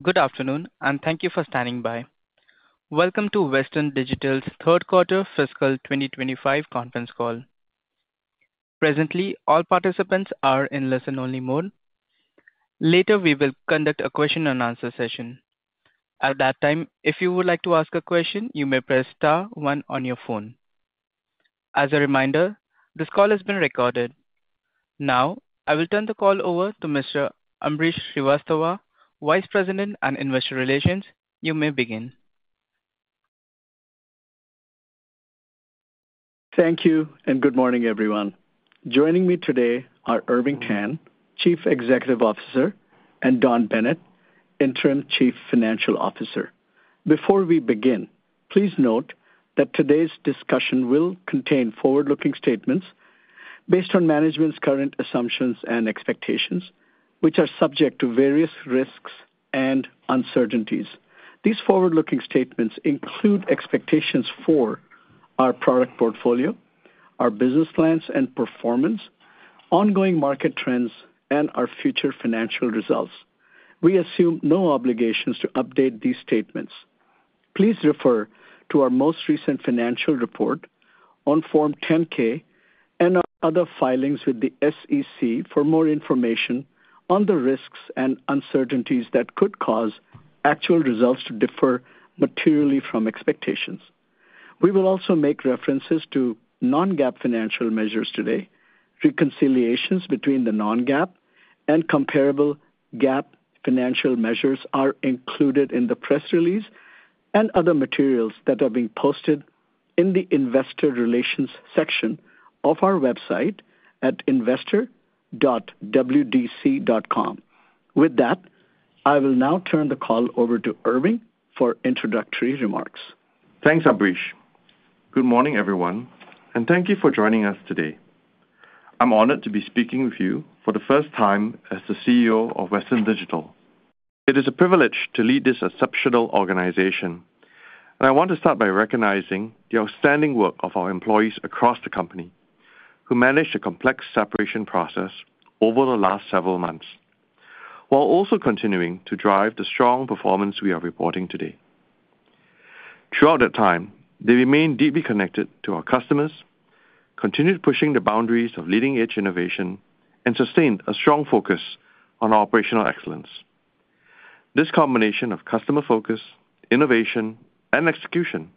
Good afternoon, and thank you for standing by. Welcome to Western Digital's third quarter fiscal 2025 conference call. Presently, all participants are in listen-only mode. Later, we will conduct a question-and-answer session. At that time, if you would like to ask a question, you may press *1 on your phone. As a reminder, this call has been recorded. Now, I will turn the call over to Mr. Ambrish Srivastava, Vice President and Investor Relations. You may begin. Thank you, and good morning, everyone. Joining me today are Irving Tan, Chief Executive Officer, and Don Bennett, Interim Chief Financial Officer. Before we begin, please note that today's discussion will contain forward-looking statements based on management's current assumptions and expectations, which are subject to various risks and uncertainties. These forward-looking statements include expectations for our product portfolio, our business plans and performance, ongoing market trends, and our future financial results. We assume no obligations to update these statements. Please refer to our most recent financial report on Form 10-K and other filings with the SEC for more information on the risks and uncertainties that could cause actual results to differ materially from expectations. We will also make references to non-GAAP financial measures today. Reconciliations between the non-GAAP and comparable GAAP financial measures are included in the press release and other materials that are being posted in the Investor Relations section of our website at investor.wdc.com. With that, I will now turn the call over to Irving for introductory remarks. Thanks, Ambrish. Good morning, everyone, and thank you for joining us today. I'm honored to be speaking with you for the first time as the CEO of Western Digital. It is a privilege to lead this exceptional organization, and I want to start by recognizing the outstanding work of our employees across the company who managed a complex separation process over the last several months, while also continuing to drive the strong performance we are reporting today. Throughout that time, they remained deeply connected to our customers, continued pushing the boundaries of leading-edge innovation, and sustained a strong focus on operational excellence. This combination of customer focus, innovation, and execution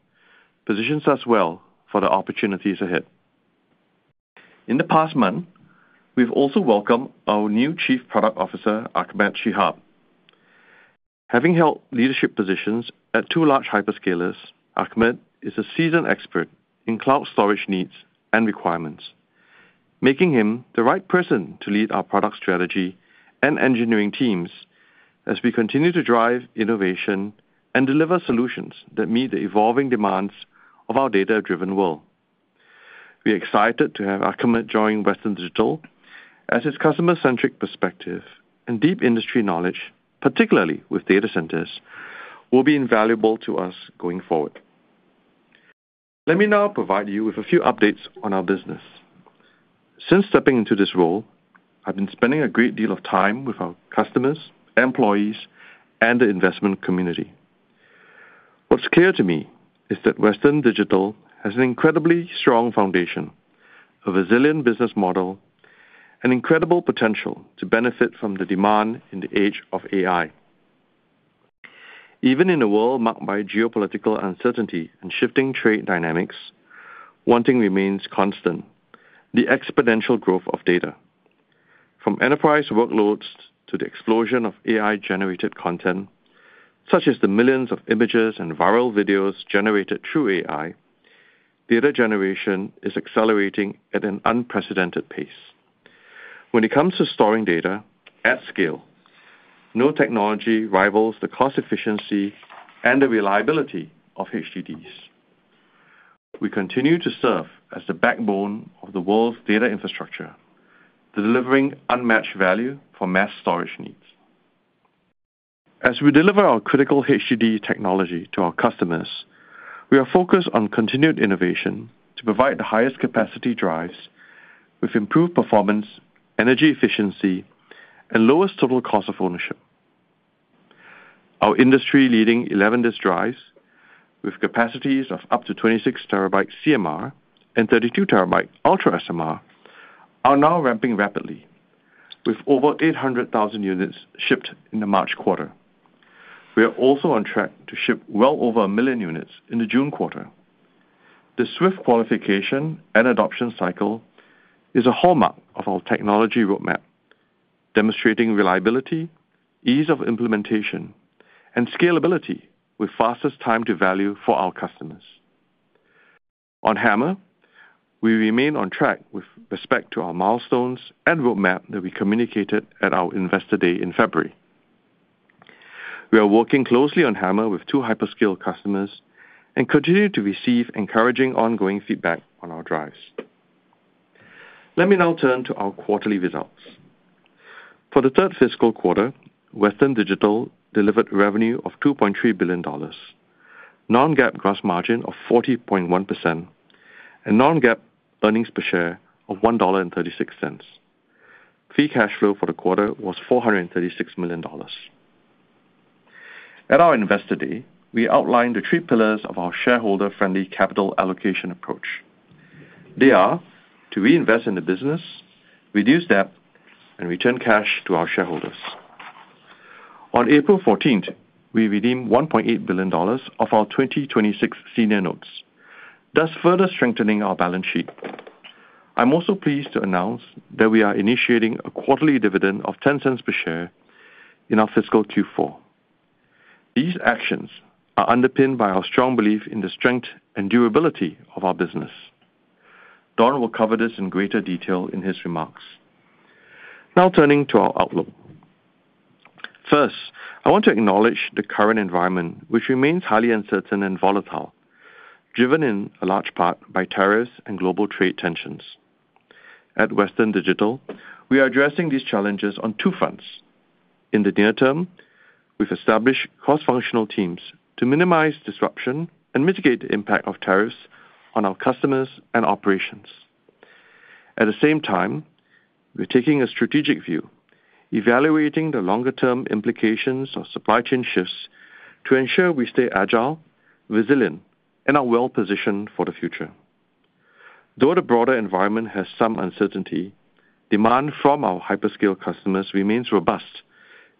positions us well for the opportunities ahead. In the past month, we've also welcomed our new Chief Product Officer, Ahmed Shihab. Having held leadership positions at two large hyperscalers, Ahmed is a seasoned expert in cloud storage needs and requirements, making him the right person to lead our product strategy and engineering teams as we continue to drive innovation and deliver solutions that meet the evolving demands of our data-driven world. We are excited to have Ahmed joining Western Digital as his customer-centric perspective and deep industry knowledge, particularly with data centers, will be invaluable to us going forward. Let me now provide you with a few updates on our business. Since stepping into this role, I've been spending a great deal of time with our customers, employees, and the investment community. What's clear to me is that Western Digital has an incredibly strong foundation, a resilient business model, and incredible potential to benefit from the demand in the age of AI. Even in a world marked by geopolitical uncertainty and shifting trade dynamics, one thing remains constant: the exponential growth of data. From enterprise workloads to the explosion of AI-generated content, such as the millions of images and viral videos generated through AI, data generation is accelerating at an unprecedented pace. When it comes to storing data at scale, no technology rivals the cost efficiency and the reliability of HDDs. We continue to serve as the backbone of the world's data infrastructure, delivering unmatched value for mass storage needs. As we deliver our critical HDD technology to our customers, we are focused on continued innovation to provide the highest capacity drives with improved performance, energy efficiency, and lowest total cost of ownership. Our industry-leading 11-disk drives, with capacities of up to 26 TB CMR and 32 TB UltraSMR, are now ramping rapidly, with over 800,000 units shipped in the March quarter. We are also on track to ship well over a million units in the June quarter. The swift qualification and adoption cycle is a hallmark of our technology roadmap, demonstrating reliability, ease of implementation, and scalability with fastest time to value for our customers. On HAMR, we remain on track with respect to our milestones and roadmap that we communicated at our Investor Day in February. We are working closely on HAMR with two hyperscale customers and continue to receive encouraging ongoing feedback on our drives. Let me now turn to our quarterly results. For the third fiscal quarter, Western Digital delivered revenue of $2.3 billion, non-GAAP gross margin of 40.1%, and non-GAAP earnings per share of $1.36. Free cash flow for the quarter was $436 million. At our Investor Day, we outlined the three pillars of our shareholder-friendly capital allocation approach. They are to reinvest in the business, reduce debt, and return cash to our shareholders. On April 14, we redeemed $1.8 billion of our 2026 senior notes, thus further strengthening our balance sheet. I'm also pleased to announce that we are initiating a quarterly dividend of $0.10 per share in our fiscal Q4. These actions are underpinned by our strong belief in the strength and durability of our business. Don will cover this in greater detail in his remarks. Now, turning to our outlook. First, I want to acknowledge the current environment, which remains highly uncertain and volatile, driven in large part by tariffs and global trade tensions. At Western Digital, we are addressing these challenges on two fronts. In the near term, we've established cross-functional teams to minimize disruption and mitigate the impact of tariffs on our customers and operations. At the same time, we're taking a strategic view, evaluating the longer-term implications of supply chain shifts to ensure we stay agile, resilient, and are well-positioned for the future. Though the broader environment has some uncertainty, demand from our hyperscale customers remains robust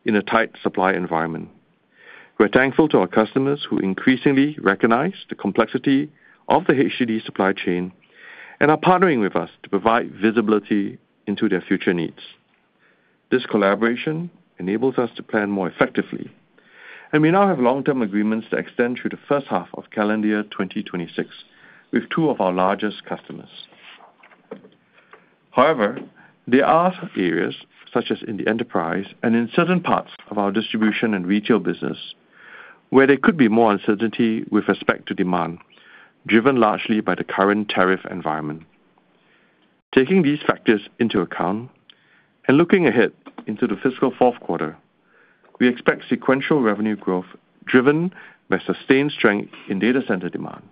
in a tight supply environment. We're thankful to our customers who increasingly recognize the complexity of the HDD supply chain and are partnering with us to provide visibility into their future needs. This collaboration enables us to plan more effectively, and we now have long-term agreements to extend through the first half of calendar year 2026 with two of our largest customers. However, there are areas such as in the enterprise and in certain parts of our distribution and retail business where there could be more uncertainty with respect to demand, driven largely by the current tariff environment. Taking these factors into account and looking ahead into the fiscal fourth quarter, we expect sequential revenue growth driven by sustained strength in data center demand.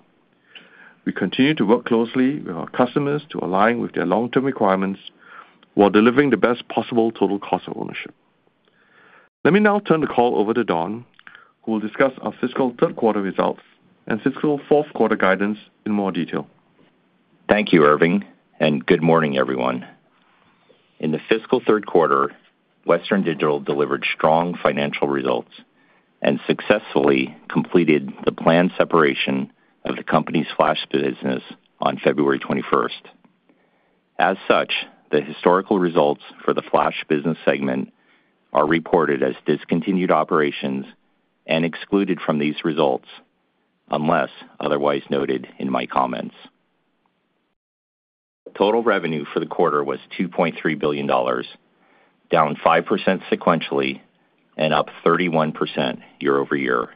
We continue to work closely with our customers to align with their long-term requirements while delivering the best possible total cost of ownership. Let me now turn the call over to Don, who will discuss our fiscal third quarter results and fiscal fourth quarter guidance in more detail. Thank you, Irving, and good morning, everyone. In the fiscal third quarter, Western Digital delivered strong financial results and successfully completed the planned separation of the company's flash business on February 21. As such, the historical results for the flash business segment are reported as discontinued operations and excluded from these results unless otherwise noted in my comments. Total revenue for the quarter was $2.3 billion, down 5% sequentially and up 31% year over year.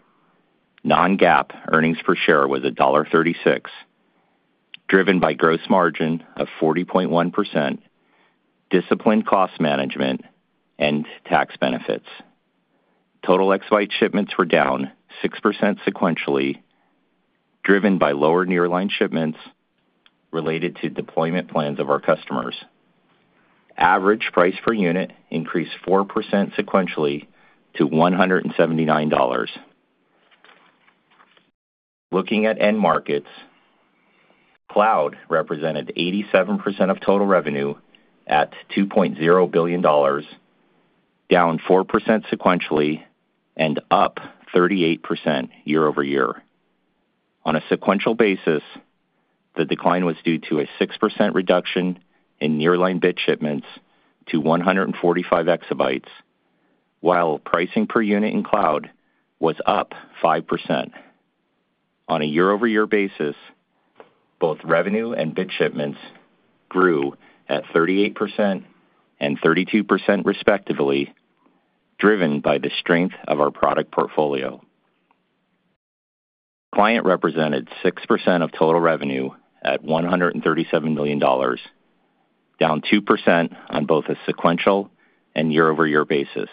Non-GAAP earnings per share was $1.36, driven by gross margin of 40.1%, disciplined cost management, and tax benefits. Total exabyte shipments were down 6% sequentially, driven by lower nearline shipments related to deployment plans of our customers. Average price per unit increased 4% sequentially to $179. Looking at end markets, cloud represented 87% of total revenue at $2.0 billion, down 4% sequentially and up 38% year-over-year. On a sequential basis, the decline was due to a 6% reduction in nearline bid shipments to 145 exabytes, while pricing per unit in cloud was up 5%. On a year-over-year basis, both revenue and bid shipments grew at 38% and 32% respectively, driven by the strength of our product portfolio. Client represented 6% of total revenue at $137 million, down 2% on both a sequential and year-over-year basis.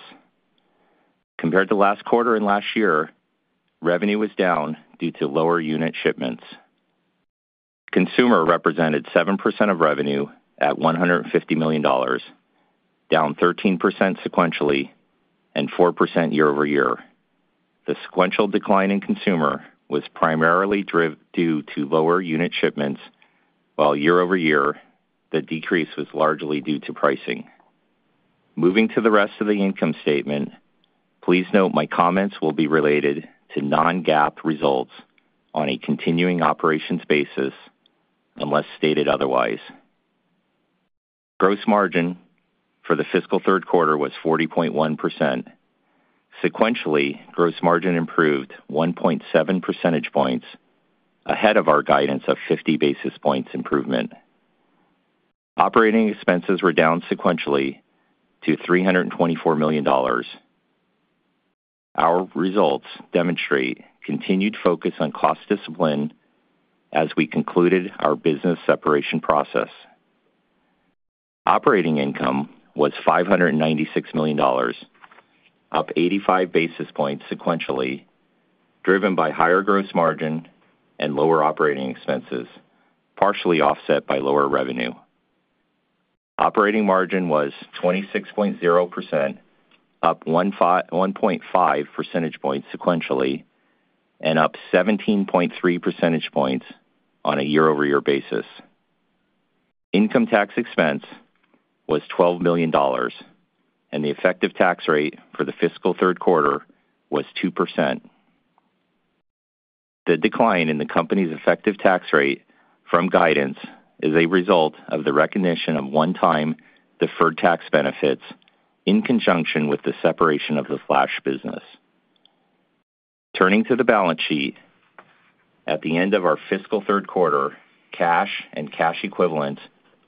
Compared to last quarter and last year, revenue was down due to lower unit shipments. Consumer represented 7% of revenue at $150 million, down 13% sequentially and 4% year-over-year. The sequential decline in consumer was primarily due to lower unit shipments, while year-over-year, the decrease was largely due to pricing. Moving to the rest of the income statement, please note my comments will be related to non-GAAP results on a continuing operations basis unless stated otherwise. Gross margin for the fiscal third quarter was 40.1%. Sequentially, gross margin improved 1.7 percentage points ahead of our guidance of 50 basis points improvement. Operating expenses were down sequentially to $324 million. Our results demonstrate continued focus on cost discipline as we concluded our business separation process. Operating income was $596 million, up 85 basis points sequentially, driven by higher gross margin and lower operating expenses, partially offset by lower revenue. Operating margin was 26.0%, up 1.5 percentage points sequentially, and up 17.3 percentage points on a year-over-year basis. Income tax expense was $12 million, and the effective tax rate for the fiscal third quarter was 2%. The decline in the company's effective tax rate from guidance is a result of the recognition of one-time deferred tax benefits in conjunction with the separation of the flash business. Turning to the balance sheet, at the end of our fiscal third quarter, cash and cash equivalent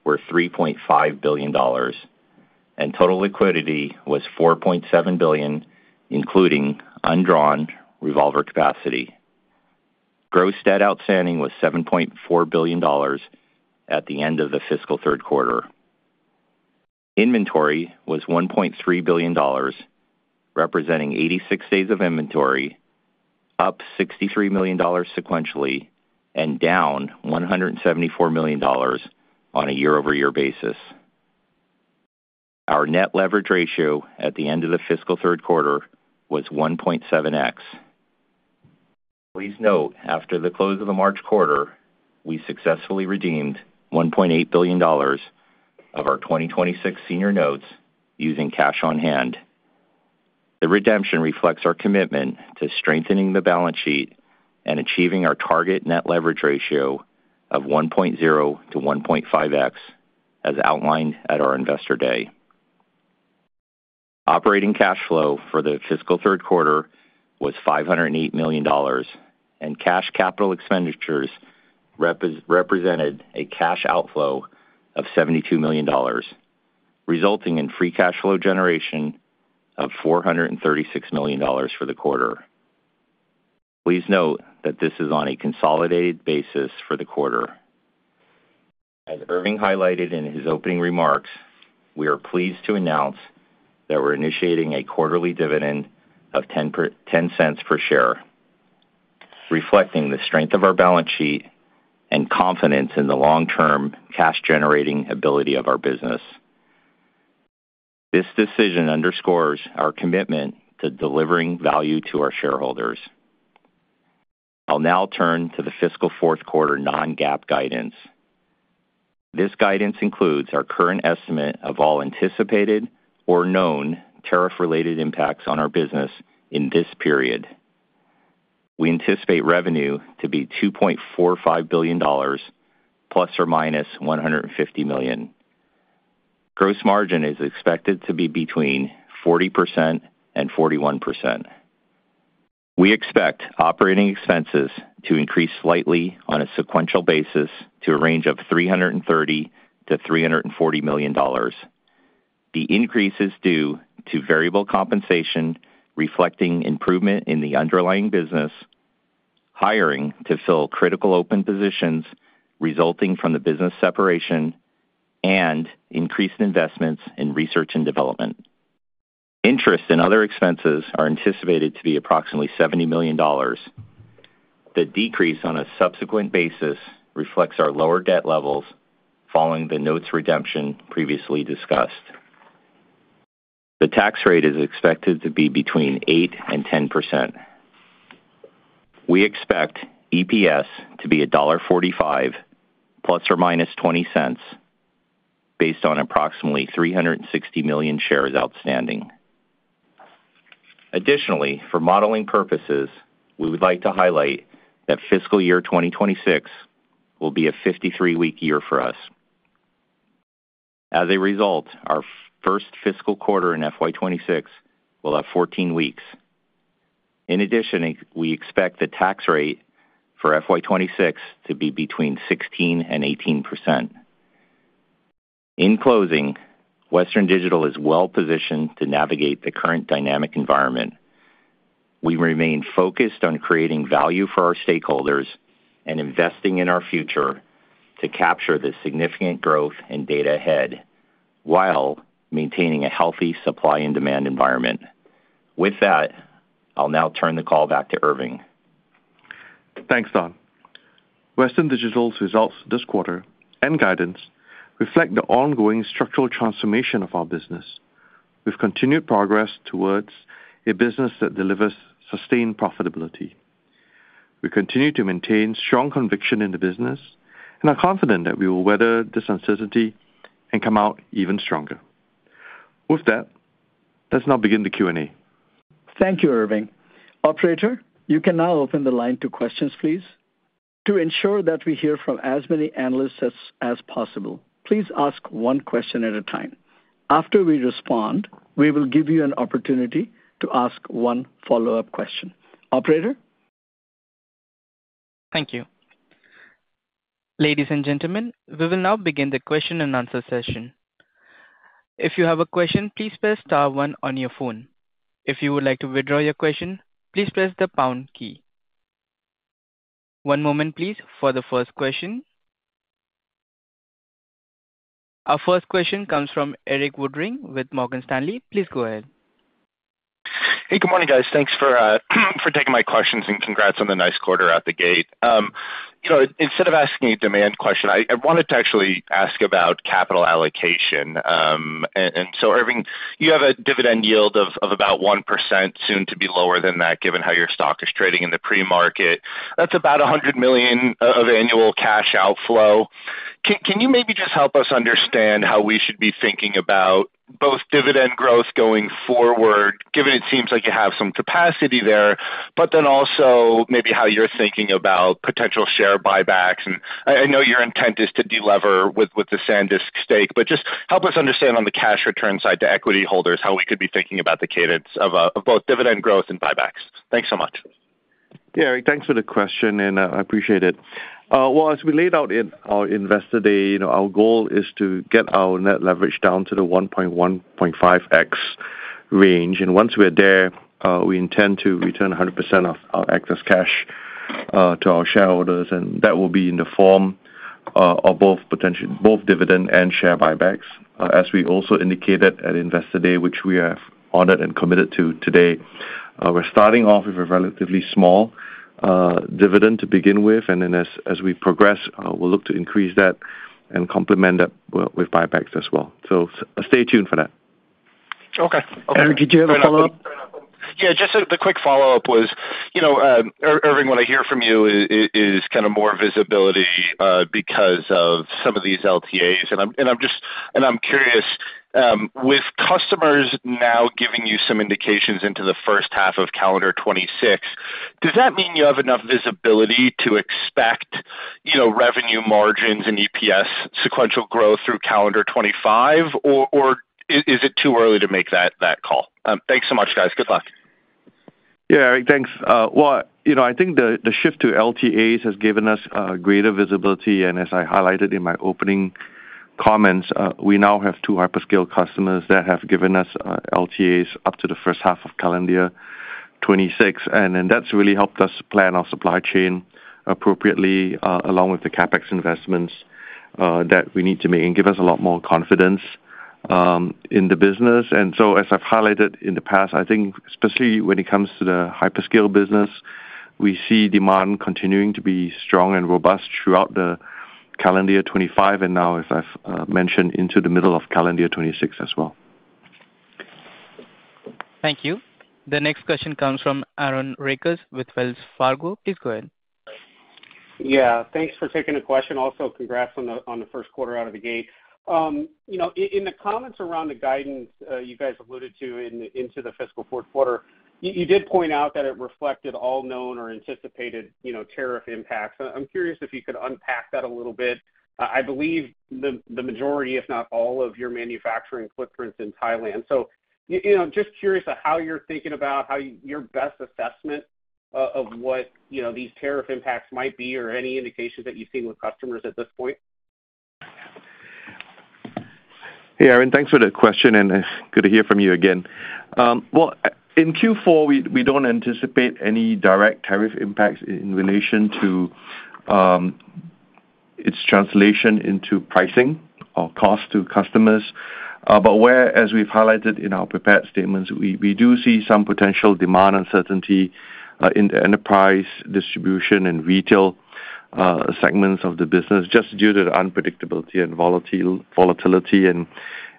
were $3.5 billion, and total liquidity was $4.7 billion, including undrawn revolver capacity. Gross debt outstanding was $7.4 billion at the end of the fiscal third quarter. Inventory was $1.3 billion, representing 86 days of inventory, up $63 million sequentially and down $174 million on a year-over-year basis. Our net leverage ratio at the end of the fiscal third quarter was 1.7x. Please note, after the close of the March quarter, we successfully redeemed $1.8 billion of our 2026 senior notes using cash on hand. The redemption reflects our commitment to strengthening the balance sheet and achieving our target net leverage ratio of 1.0-1.5x as outlined at our Investor Day. Operating cash flow for the fiscal third quarter was $508 million, and cash capital expenditures represented a cash outflow of $72 million, resulting in free cash flow generation of $436 million for the quarter. Please note that this is on a consolidated basis for the quarter. As Irving highlighted in his opening remarks, we are pleased to announce that we're initiating a quarterly dividend of $0.10 per share, reflecting the strength of our balance sheet and confidence in the long-term cash-generating ability of our business. This decision underscores our commitment to delivering value to our shareholders. I'll now turn to the fiscal fourth quarter non-GAAP guidance. This guidance includes our current estimate of all anticipated or known tariff-related impacts on our business in this period. We anticipate revenue to be $2.45 billion, plus or minus $150 million. Gross margin is expected to be between 40% and 41%. We expect operating expenses to increase slightly on a sequential basis to a range of $330 million-$340 million. The increase is due to variable compensation reflecting improvement in the underlying business, hiring to fill critical open positions resulting from the business separation, and increased investments in research and development. Interest and other expenses are anticipated to be approximately $70 million. The decrease on a subsequent basis reflects our lower debt levels following the notes redemption previously discussed. The tax rate is expected to be between 8% and 10%. We expect EPS to be $1.45, plus or minus $0.20, based on approximately 360 million shares outstanding. Additionally, for modeling purposes, we would like to highlight that fiscal year 2026 will be a 53-week year for us. As a result, our first fiscal quarter in FY26 will have 14 weeks. In addition, we expect the tax rate for FY2026 to be between 16% and 18%. In closing, Western Digital is well-positioned to navigate the current dynamic environment. We remain focused on creating value for our stakeholders and investing in our future to capture the significant growth and data ahead while maintaining a healthy supply and demand environment. With that, I'll now turn the call back to Irving. Thanks, Don. Western Digital's results this quarter and guidance reflect the ongoing structural transformation of our business with continued progress towards a business that delivers sustained profitability. We continue to maintain strong conviction in the business and are confident that we will weather this uncertainty and come out even stronger. With that, let's now begin the Q&A. Thank you, Irving. Operator, you can now open the line to questions, please. To ensure that we hear from as many analysts as possible, please ask one question at a time. After we respond, we will give you an opportunity to ask one follow-up question. Operator? Thank you. Ladies and gentlemen, we will now begin the question and answer session. If you have a question, please press star one on your phone. If you would like to withdraw your question, please press the pound key. One moment, please, for the first question. Our first question comes from Erik Woodring with Morgan Stanley. Please go ahead. Hey, good morning, guys. Thanks for taking my questions and congrats on the nice quarter out the gate. Instead of asking a demand question, I wanted to actually ask about capital allocation. Irving, you have a dividend yield of about 1%, soon to be lower than that given how your stock is trading in the pre-market. That is about $100 million of annual cash outflow. Can you maybe just help us understand how we should be thinking about both dividend growth going forward, given it seems like you have some capacity there, but then also maybe how you're thinking about potential share buybacks? I know your intent is to deliver with the SanDisk stake, but just help us understand on the cash return side to equity holders how we could be thinking about the cadence of both dividend growth and buybacks. Thanks so much. Yeah, thanks for the question, and I appreciate it. As we laid out in our Investor Day, our goal is to get our net leverage down to the 1x-1.5x range. Once we're there, we intend to return 100% of our excess cash to our shareholders. That will be in the form of both dividend and share buybacks, as we also indicated at Investor Day, which we have honored and committed to today. We're starting off with a relatively small dividend to begin with, and as we progress, we'll look to increase that and complement that with buybacks as well. Stay tuned for that. Okay. Erik, did you have a follow-up? Yeah, just the quick follow-up was, Irving, what I hear from you is kind of more visibility because of some of these LTAs. I am curious, with customers now giving you some indications into the first half of calendar 2026, does that mean you have enough visibility to expect revenue, margins, and EPS sequential growth through calendar 2025, or is it too early to make that call? Thanks so much, guys. Good luck. Yeah, Eric, thanks. I think the shift to LTAs has given us greater visibility. As I highlighted in my opening comments, we now have two hyperscale customers that have given us LTAs up to the first half of calendar 2026. That has really helped us plan our supply chain appropriately, along with the CapEx investments that we need to make and give us a lot more confidence in the business. As I have highlighted in the past, I think especially when it comes to the hyperscale business, we see demand continuing to be strong and robust throughout calendar 2025 and now, as I have mentioned, into the middle of calendar 2026 as well. Thank you. The next question comes from Aaron Rakers with Wells Fargo. Please go ahead. Yeah, thanks for taking the question. Also, congrats on the first quarter out of the gate. In the comments around the guidance you guys alluded to into the fiscal fourth quarter, you did point out that it reflected all known or anticipated tariff impacts. I'm curious if you could unpack that a little bit. I believe the majority, if not all, of your manufacturing footprint is in Thailand. Just curious how you're thinking about how your best assessment of what these tariff impacts might be or any indications that you've seen with customers at this point. Yeah Aaron, thanks for the question, and good to hear from you again. In Q4, we do not anticipate any direct tariff impacts in relation to its translation into pricing or cost to customers. As we have highlighted in our prepared statements, we do see some potential demand uncertainty in the enterprise distribution and retail segments of the business just due to the unpredictability and volatility.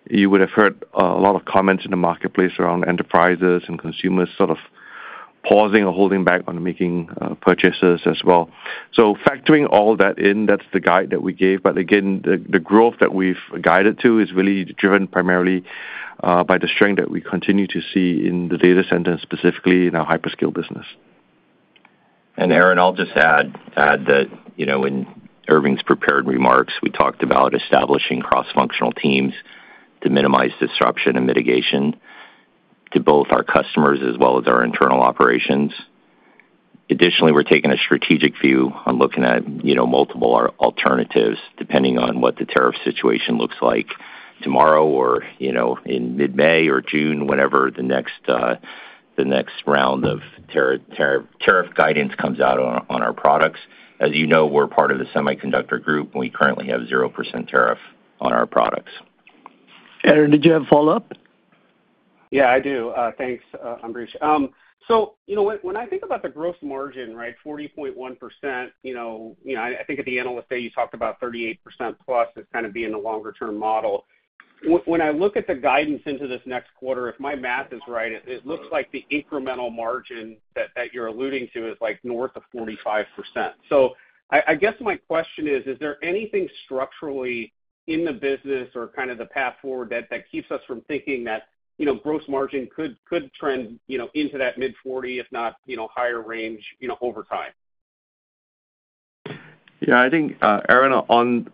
You would have heard a lot of comments in the marketplace around enterprises and consumers sort of pausing or holding back on making purchases as well. Factoring all that in, that is the guide that we gave. Again, the growth that we have guided to is really driven primarily by the strength that we continue to see in the data center, and specifically in our hyperscale business. Aaron, I'll just add that in Irving's prepared remarks, we talked about establishing cross-functional teams to minimize disruption and mitigation to both our customers as well as our internal operations. Additionally, we're taking a strategic view on looking at multiple alternatives depending on what the tariff situation looks like tomorrow or in mid-May or June, whenever the next round of tariff guidance comes out on our products. As you know, we're part of the semiconductor group, and we currently have 0% tariff on our products. Aaron, did you have a follow-up? Yeah, I do. Thanks, Ambrish. When I think about the gross margin, right, 40.1%, I think at the Analyst Day, you talked about 38% plus as kind of being the longer-term model. When I look at the guidance into this next quarter, if my math is right, it looks like the incremental margin that you're alluding to is north of 45%. I guess my question is, is there anything structurally in the business or kind of the path forward that keeps us from thinking that gross margin could trend into that mid-40, if not higher range over time? Yeah, I think, Aaron,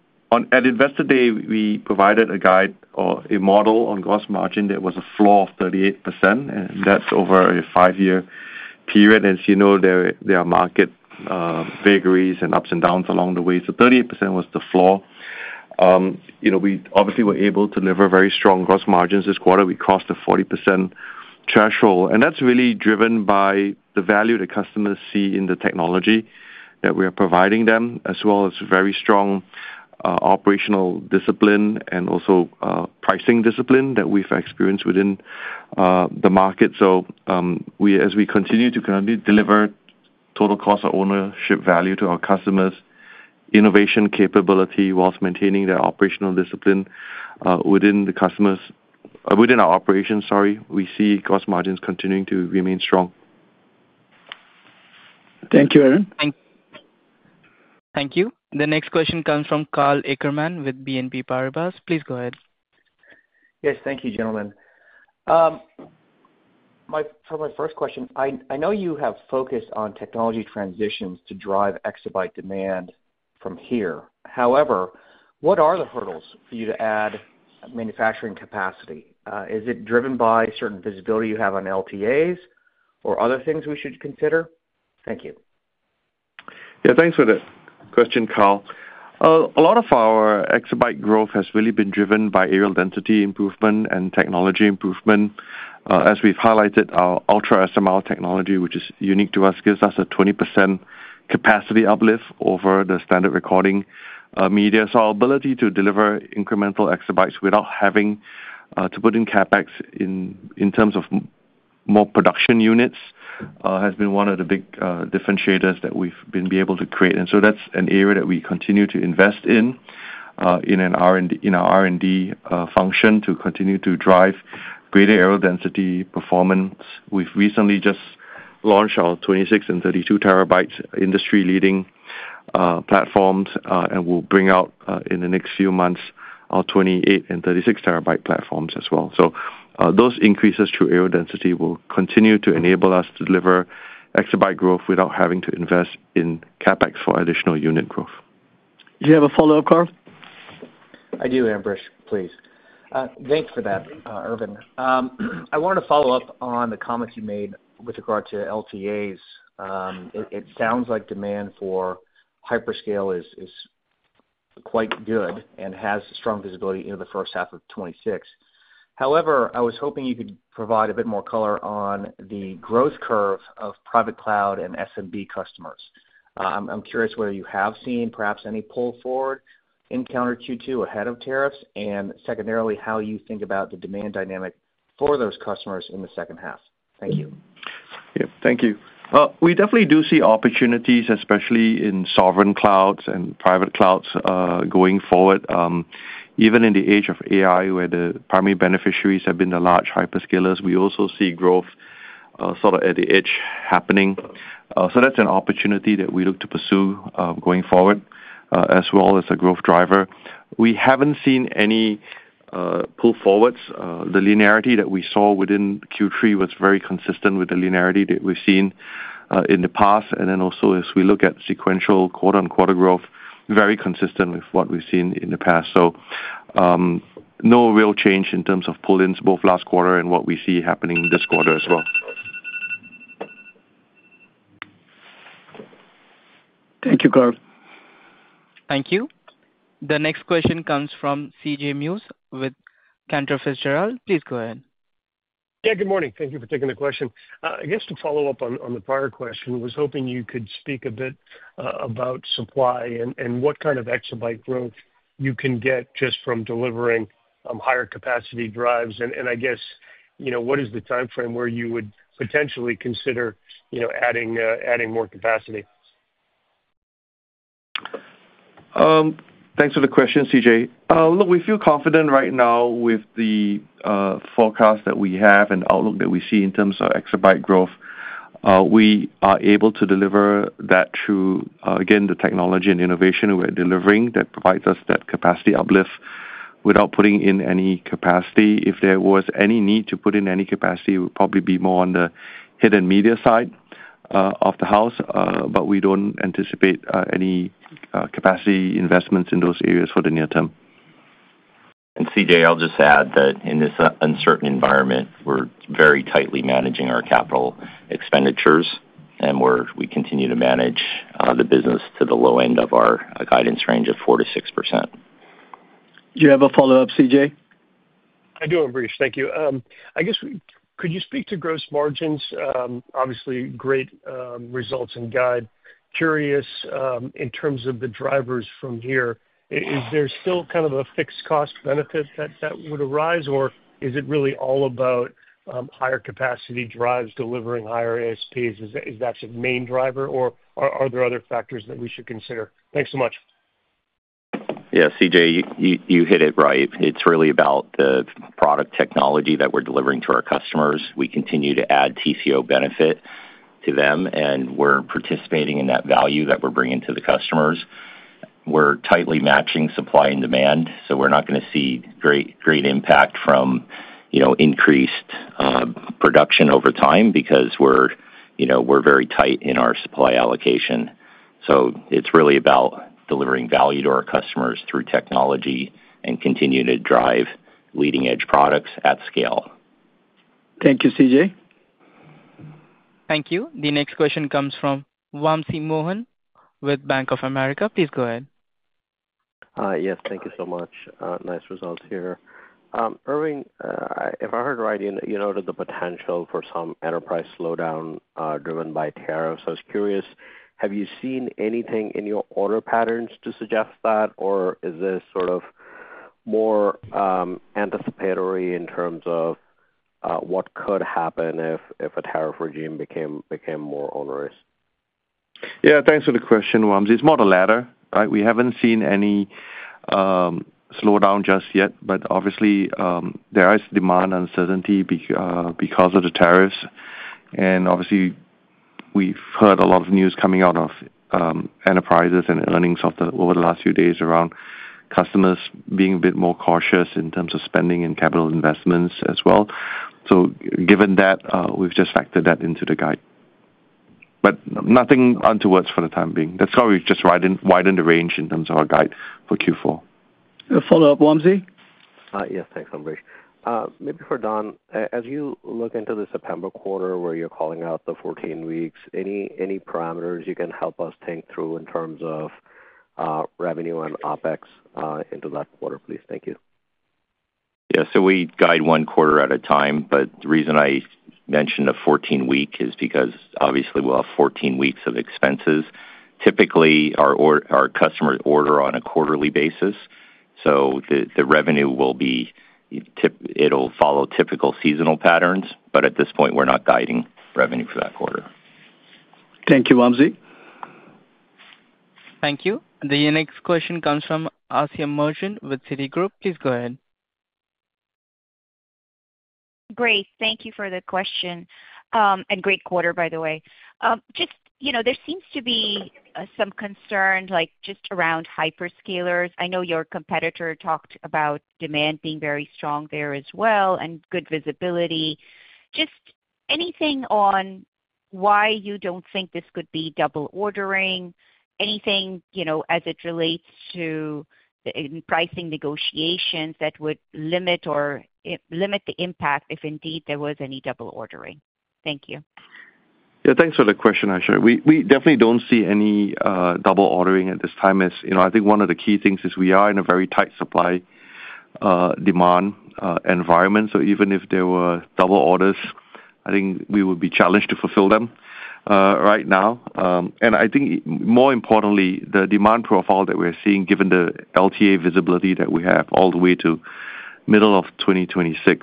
at Investor Day, we provided a guide or a model on gross margin that was a floor of 38%, and that's over a five-year period. As you know, there are market vagaries and ups and downs along the way. 38% was the floor. We obviously were able to deliver very strong gross margins this quarter. We crossed the 40% threshold. That's really driven by the value that customers see in the technology that we are providing them, as well as very strong operational discipline and also pricing discipline that we've experienced within the market. As we continue to currently deliver total cost of ownership value to our customers, innovation capability whilst maintaining their operational discipline within our operations, sorry, we see gross margins continuing to remain strong. Thank you, Aaron. Thank you. The next question comes from Karl Ackerman with BNP Paribas. Please go ahead. Yes, thank you, gentlemen. For my first question, I know you have focused on technology transitions to drive exabyte demand from here. However, what are the hurdles for you to add manufacturing capacity? Is it driven by certain visibility you have on LTAs or other things we should consider? Thank you. Yeah, thanks for the question, Carl. A lot of our exabyte growth has really been driven by areal density improvement and technology improvement. As we've highlighted, our UltraSMR technology, which is unique to us, gives us a 20% capacity uplift over the standard recording media. Our ability to deliver incremental exabytes without having to put in CapEx in terms of more production units has been one of the big differentiators that we've been able to create. That is an area that we continue to invest in, in our R&D function to continue to drive greater areal density performance. We've recently just launched our 26 and 32 terabyte industry-leading platforms, and we will bring out in the next few months our 28 and 36 terabyte platforms as well. Those increases through areal density will continue to enable us to deliver exabyte growth without having to invest in CapEx for additional unit growth. Do you have a follow-up, Karl? I do, Ambrish. Please. Thanks for that, Irving. I wanted to follow up on the comments you made with regard to LTAs. It sounds like demand for hyperscale is quite good and has strong visibility into the first half of 2026. However, I was hoping you could provide a bit more color on the growth curve of private cloud and SMB customers. I'm curious whether you have seen perhaps any pull forward in calendar Q2 ahead of tariffs, and secondarily, how you think about the demand dynamic for those customers in the second half. Thank you. Yeah, thank you. We definitely do see opportunities, especially in sovereign clouds and private clouds going forward. Even in the age of AI, where the primary beneficiaries have been the large hyperscalers, we also see growth sort of at the edge happening. That is an opportunity that we look to pursue going forward as well as a growth driver. We have not seen any pull forwards. The linearity that we saw within Q3 was very consistent with the linearity that we have seen in the past. Also, as we look at sequential quarter-on-quarter growth, very consistent with what we have seen in the past. No real change in terms of pull-ins, both last quarter and what we see happening this quarter as well. Thank you, Karl. Thank you. The next question comes from CJ Muse with Cantor Fitzgerald. Please go ahead. Yeah, good morning. Thank you for taking the question. I guess to follow up on the prior question, I was hoping you could speak a bit about supply and what kind of exabyte growth you can get just from delivering higher capacity drives. I guess, what is the timeframe where you would potentially consider adding more capacity? Thanks for the question, CJ. Look, we feel confident right now with the forecast that we have and outlook that we see in terms of exabyte growth. We are able to deliver that through, again, the technology and innovation we're delivering that provides us that capacity uplift without putting in any capacity. If there was any need to put in any capacity, it would probably be more on the head and media side of the house, but we don't anticipate any capacity investments in those areas for the near term. CJ, I'll just add that in this uncertain environment, we're very tightly managing our capital expenditures, and we continue to manage the business to the low end of our guidance range of 4-6%. Do you have a follow-up, CJ? I do, Ambrish. Thank you. I guess, could you speak to gross margins? Obviously, great results and guide. Curious in terms of the drivers from here. Is there still kind of a fixed cost benefit that would arise, or is it really all about higher capacity drives delivering higher ASPs? Is that the main driver, or are there other factors that we should consider? Thanks so much. Yeah, CJ, you hit it right. It's really about the product technology that we're delivering to our customers. We continue to add TCO benefit to them, and we're participating in that value that we're bringing to the customers. We're tightly matching supply and demand, so we're not going to see great impact from increased production over time because we're very tight in our supply allocation. It's really about delivering value to our customers through technology and continuing to drive leading-edge products at scale. Thank you, CJ. Thank you. The next question comes from Wamsi Mohan with Bank of America. Please go ahead. Yes, thank you so much. Nice results here. Irving, if I heard right, you noted the potential for some enterprise slowdown driven by tariffs. I was curious, have you seen anything in your order patterns to suggest that, or is this sort of more anticipatory in terms of what could happen if a tariff regime became more onerous? Yeah, thanks for the question, Wamsi. It's more the latter, right? We haven't seen any slowdown just yet, but obviously, there is demand uncertainty because of the tariffs. Obviously, we've heard a lot of news coming out of enterprises and earnings over the last few days around customers being a bit more cautious in terms of spending and capital investments as well. Given that, we've just factored that into the guide. Nothing untoward for the time being. That's why we've just widened the range in terms of our guide for Q4. A follow-up, Wamsi? Yes, thanks, Ambrish. Maybe for Don, as you look into the September quarter where you're calling out the 14 weeks, any parameters you can help us think through in terms of revenue and OpEx into that quarter, please? Thank you. Yeah, we guide one quarter at a time, but the reason I mentioned a 14-week is because obviously, we'll have 14 weeks of expenses. Typically, our customers order on a quarterly basis. The revenue will be it'll follow typical seasonal patterns, but at this point, we're not guiding revenue for that quarter. Thank you, Wamsi. Thank you. The next question comes from Asiya Merchant with Citigroup. Please go ahead. Great. Thank you for the question. Great quarter, by the way. There seems to be some concern just around hyperscalers. I know your competitor talked about demand being very strong there as well and good visibility. Anything on why you do not think this could be double ordering, anything as it relates to pricing negotiations that would limit the impact if indeed there was any double ordering? Thank you. Yeah, thanks for the question, Asiya. We definitely do not see any double ordering at this time. I think one of the key things is we are in a very tight supply demand environment. Even if there were double orders, I think we would be challenged to fulfill them right now. I think more importantly, the demand profile that we are seeing given the LTA visibility that we have all the way to middle of 2026,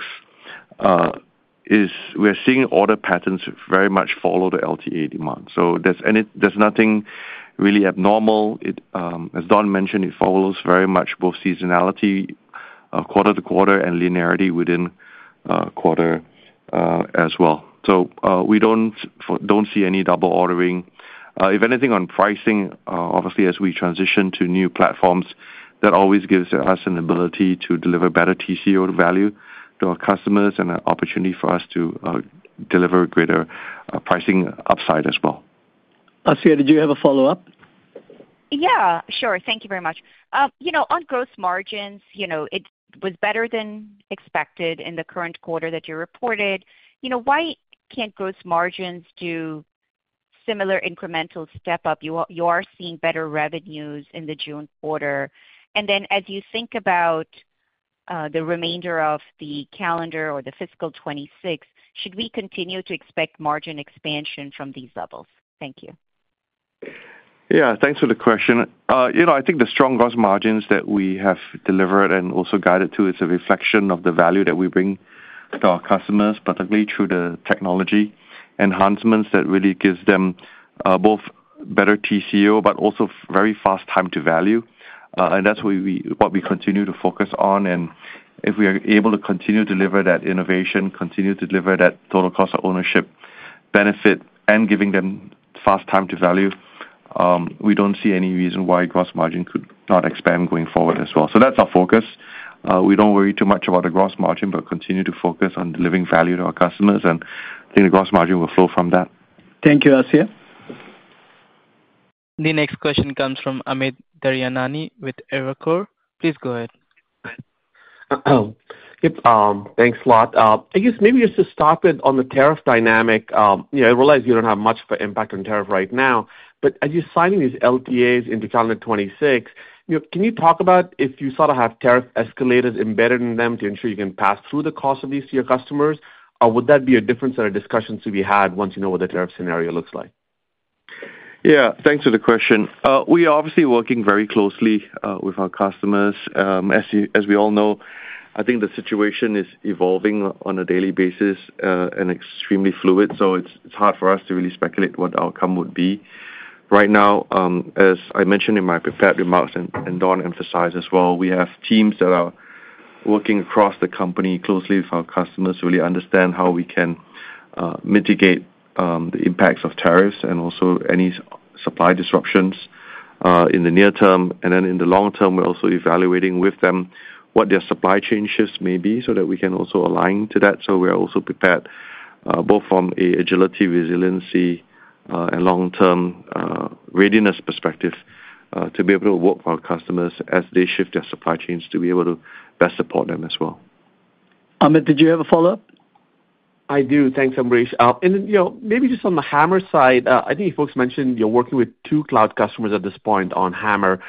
is we are seeing order patterns very much follow the LTA demand. There is nothing really abnormal. As Don mentioned, it follows very much both seasonality, quarter to quarter, and linearity within quarter as well. We do not see any double ordering. If anything, on pricing, obviously, as we transition to new platforms, that always gives us an ability to deliver better TCO value to our customers and an opportunity for us to deliver greater pricing upside as well. Asiya, did you have a follow-up? Yeah, sure. Thank you very much. On gross margins, it was better than expected in the current quarter that you reported. Why can't gross margins do similar incremental step-up? You are seeing better revenues in the June quarter. As you think about the remainder of the calendar or the fiscal 2026, should we continue to expect margin expansion from these levels? Thank you. Yeah, thanks for the question. I think the strong gross margins that we have delivered and also guided to is a reflection of the value that we bring to our customers, particularly through the technology enhancements that really gives them both better TCO, but also very fast time to value. That is what we continue to focus on. If we are able to continue to deliver that innovation, continue to deliver that total cost of ownership benefit, and giving them fast time to value, we do not see any reason why gross margin could not expand going forward as well. That is our focus. We do not worry too much about the gross margin, but continue to focus on delivering value to our customers. I think the gross margin will flow from that. Thank you, Asiya. The next question comes from Amit Daryanani with Evercore. Please go ahead. Thanks a lot. I guess maybe just to stop it on the tariff dynamic. I realize you do not have much of an impact on tariff right now, but as you are signing these LTAs into calendar 2026, can you talk about if you sort of have tariff escalators embedded in them to ensure you can pass through the cost of these to your customers, or would that be a difference in a discussion to be had once you know what the tariff scenario looks like? Yeah, thanks for the question. We are obviously working very closely with our customers. As we all know, I think the situation is evolving on a daily basis and extremely fluid. It is hard for us to really speculate what the outcome would be. Right now, as I mentioned in my prepared remarks and Don emphasized as well, we have teams that are working across the company closely with our customers to really understand how we can mitigate the impacts of tariffs and also any supply disruptions in the near term. In the long term, we are also evaluating with them what their supply chain shifts may be so that we can also align to that. We're also prepared both from an agility, resiliency, and long-term readiness perspective to be able to work with our customers as they shift their supply chains to be able to best support them as well. Amit, did you have a follow-up? I do. Thanks, Ambrish. Maybe just on the HAMR side, I think you folks mentioned you're working with two cloud customers at this point on HAMR.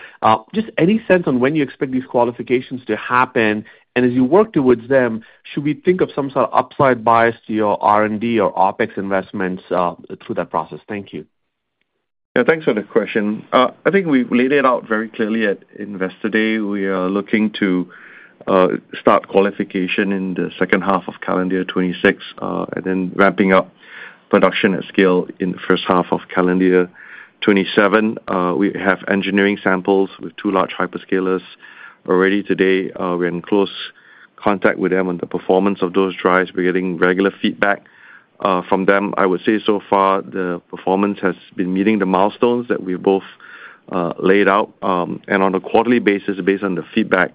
Just any sense on when you expect these qualifications to happen? As you work towards them, should we think of some sort of upside bias to your R&D or OpEx investments through that process? Thank you. Yeah, thanks for the question. I think we laid it out very clearly at Investor Day. We are looking to start qualification in the second half of calendar 2026 and then ramping up production at scale in the first half of calendar 2027. We have engineering samples with two large hyperscalers already today. We're in close contact with them on the performance of those drives. We're getting regular feedback from them. I would say so far, the performance has been meeting the milestones that we've both laid out. On a quarterly basis, based on the feedback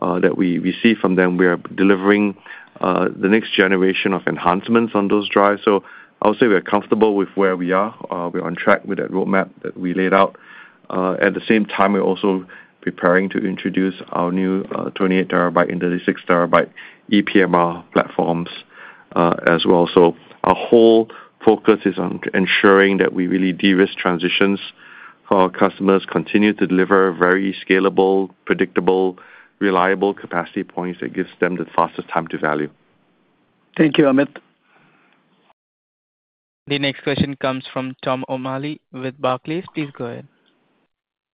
that we receive from them, we are delivering the next generation of enhancements on those drives. I would say we're comfortable with where we are. We're on track with that roadmap that we laid out. At the same time, we're also preparing to introduce our new 28-terabyte into the 36-terabyte ePMR platforms as well. Our whole focus is on ensuring that we really de-risk transitions for our customers, continue to deliver very scalable, predictable, reliable capacity points that gives them the fastest time to value. Thank you, Amit. The next question comes from Tom O'Malley with Barclays. Please go ahead.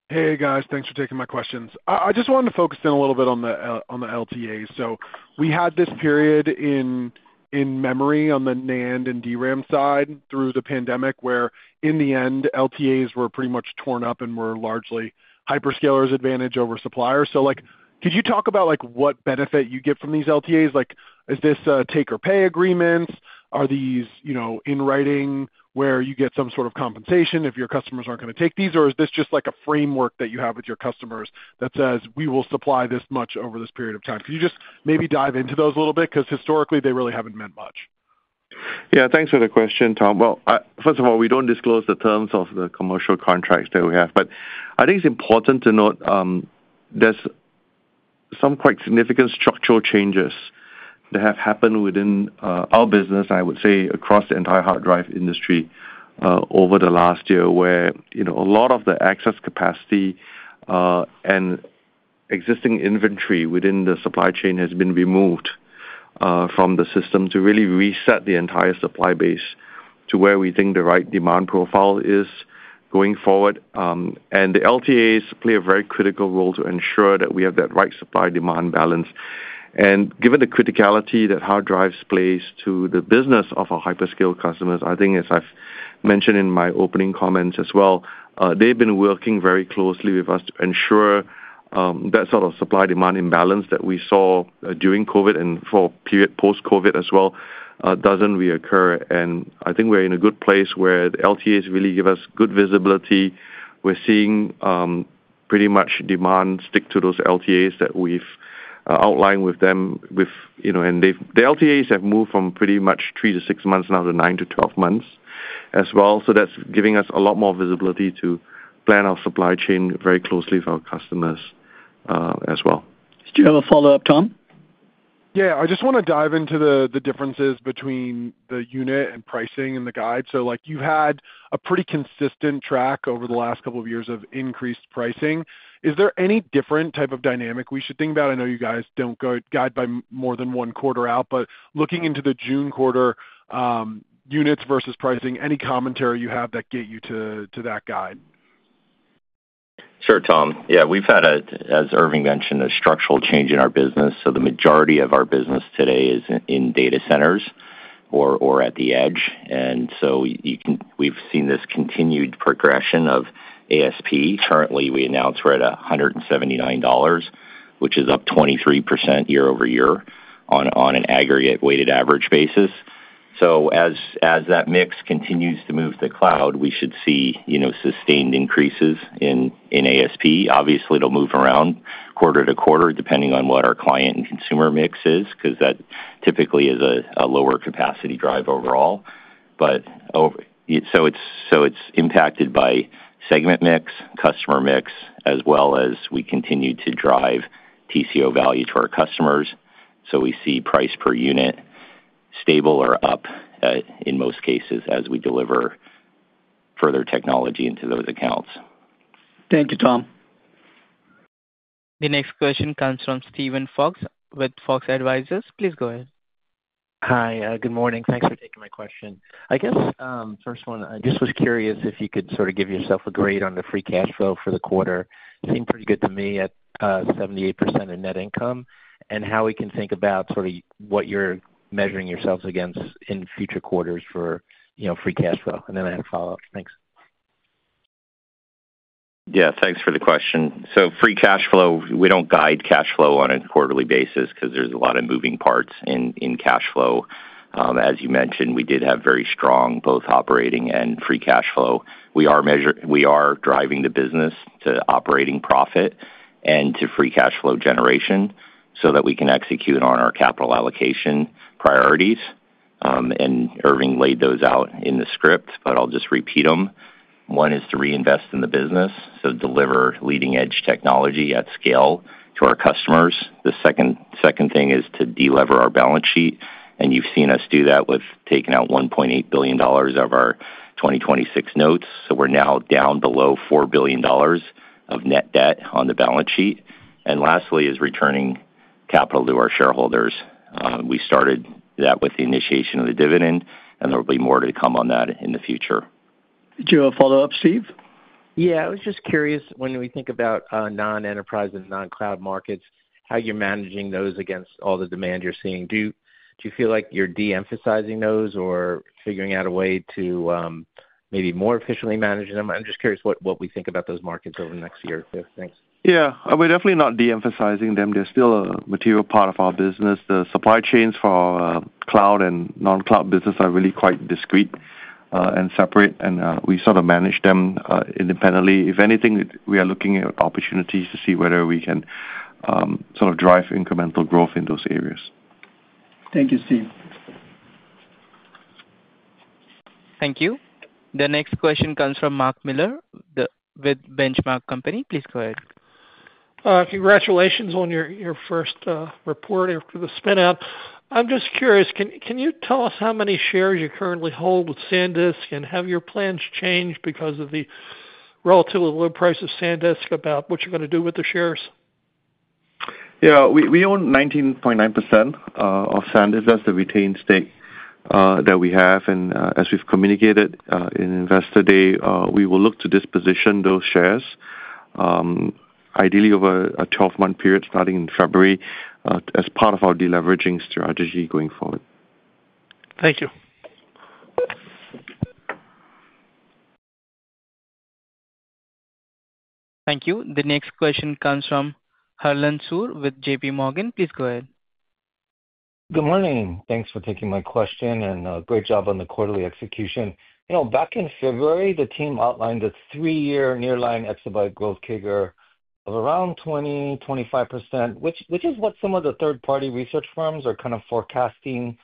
Hey, guys. Thanks for taking my questions. I just wanted to focus in a little bit on the LTAs. We had this period in memory on the NAND and DRAM side through the pandemic where in the end, LTAs were pretty much torn up and were largely hyperscalers' advantage over suppliers. Could you talk about what benefit you get from these LTAs? Is this a take-or-pay agreement? Are these in writing where you get some sort of compensation if your customers are not going to take these? Or is this just a framework that you have with your customers that says, "We will supply this much over this period of time"? Could you just maybe dive into those a little bit? Because historically, they really have not meant much. Yeah, thanks for the question, Tom. First of all, we do not disclose the terms of the commercial contracts that we have. I think it is important to note there are some quite significant structural changes that have happened within our business, I would say, across the entire hard drive industry over the last year where a lot of the excess capacity and existing inventory within the supply chain has been removed from the system to really reset the entire supply base to where we think the right demand profile is going forward. The LTAs play a very critical role to ensure that we have that right supply-demand balance. Given the criticality that hard drives place to the business of our hyperscale customers, I think, as I have mentioned in my opening comments as well, they have been working very closely with us to ensure that sort of supply-demand imbalance that we saw during COVID and for a period post-COVID as well does not reoccur. I think we are in a good place where the LTAs really give us good visibility. We are seeing pretty much demand stick to those LTAs that we have outlined with them. The LTAs have moved from pretty much 3-6 months now to 9-12 months as well. That is giving us a lot more visibility to plan our supply chain very closely for our customers as well. Do you have a follow-up, Tom? Yeah, I just want to dive into the differences between the unit and pricing and the guide. You have had a pretty consistent track over the last couple of years of increased pricing. Is there any different type of dynamic we should think about? I know you guys do not guide by more than one quarter out, but looking into the June quarter units versus pricing, any commentary you have that get you to that guide? Sure, Tom. Yeah, we've had, as Irving mentioned, a structural change in our business. The majority of our business today is in data centers or at the edge. We've seen this continued progression of ASP. Currently, we announced we're at $179, which is up 23% year over year on an aggregate weighted average basis. As that mix continues to move to cloud, we should see sustained increases in ASP. Obviously, it'll move around quarter to quarter depending on what our client and consumer mix is because that typically is a lower capacity drive overall. It's impacted by segment mix, customer mix, as well as we continue to drive TCO value to our customers. We see price per unit stable or up in most cases as we deliver further technology into those accounts. Thank you, Tom. The next question comes from Steven Fox with Fox Advisors. Please go ahead. Hi, good morning. Thanks for taking my question. I guess first one, I just was curious if you could sort of give yourself a grade on the free cash flow for the quarter. Seemed pretty good to me at 78% of net income and how we can think about sort of what you're measuring yourselves against in future quarters for free cash flow. I had a follow-up. Thanks. Yeah, thanks for the question. Free cash flow, we do not guide cash flow on a quarterly basis because there are a lot of moving parts in cash flow. As you mentioned, we did have very strong both operating and free cash flow. We are driving the business to operating profit and to free cash flow generation so that we can execute on our capital allocation priorities. Irving laid those out in the script, but I will just repeat them. One is to reinvest in the business, so deliver leading-edge technology at scale to our customers. The second thing is to delever our balance sheet. You have seen us do that with taking out $1.8 billion of our 2026 notes. We are now down below $4 billion of net debt on the balance sheet. Lastly is returning capital to our shareholders. We started that with the initiation of the dividend, and there will be more to come on that in the future. Do you have a follow-up, Steve? Yeah, I was just curious when we think about non-enterprise and non-cloud markets, how you're managing those against all the demand you're seeing. Do you feel like you're de-emphasizing those or figuring out a way to maybe more efficiently manage them? I'm just curious what we think about those markets over the next year or two. Thanks. Yeah, we're definitely not de-emphasizing them. They're still a material part of our business. The supply chains for our cloud and non-cloud business are really quite discrete and separate, and we sort of manage them independently. If anything, we are looking at opportunities to see whether we can sort of drive incremental growth in those areas. Thank you, Steve. Thank you. The next question comes from Mark Miller with Benchmark Company. Please go ahead. Congratulations on your first report after the spinout. I'm just curious, can you tell us how many shares you currently hold with SanDisk, and have your plans changed because of the relatively low price of SanDisk about what you're going to do with the shares? Yeah, we own 19.9% of SanDisk as the retained stake that we have. As we have communicated in Investor Day, we will look to disposition those shares, ideally over a 12-month period starting in February as part of our deleveraging strategy going forward. Thank you. Thank you. The next question comes from Harlan Sur with JPMorgan. Please go ahead. Good morning. Thanks for taking my question and great job on the quarterly execution. Back in February, the team outlined a three-year nearline exabyte growth figure of around 20-25%, which is what some of the third-party research firms are kind of forecasting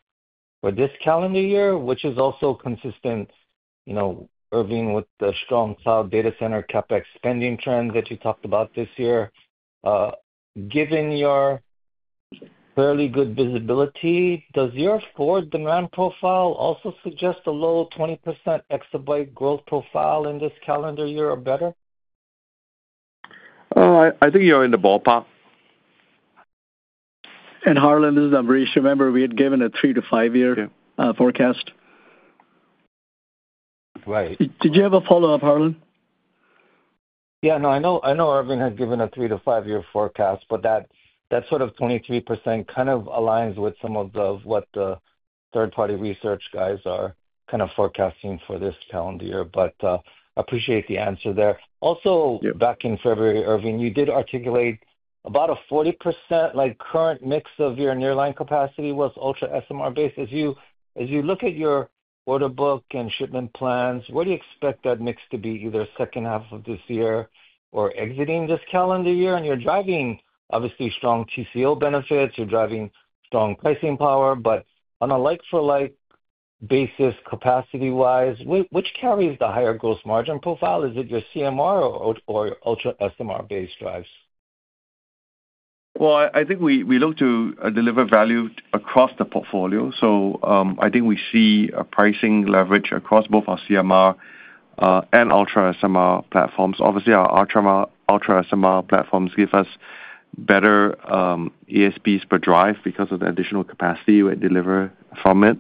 for this calendar year, which is also consistent, Irving, with the strong cloud data center CapEx spending trends that you talked about this year. Given your fairly good visibility, does your forward demand profile also suggest a low 20% exabyte growth profile in this calendar year or better? I think you're in the ballpark. Harlan, this is Ambrish. Remember, we had given a three to five-year forecast. Right. Did you have a follow-up, Harlan? Yeah, no, I know Irving has given a three to five-year forecast, but that sort of 23% kind of aligns with some of what the third-party research guys are kind of forecasting for this calendar year. I appreciate the answer there. Also, back in February, Irving, you did articulate about a 40% current mix of your nearline capacity was UltraSMR based. As you look at your order book and shipment plans, where do you expect that mix to be either second half of this year or exiting this calendar year? You're driving, obviously, strong TCO benefits. You're driving strong pricing power. On a like-for-like basis, capacity-wise, which carries the higher gross margin profile? Is it your CMR or UltraSMR-based drives? I think we look to deliver value across the portfolio. I think we see a pricing leverage across both our CMR and UltraSMR platforms. Obviously, our UltraSMR platforms give us better ESPs per drive because of the additional capacity we deliver from it.